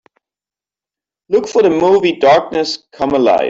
Look for the movie Darkness Come Alive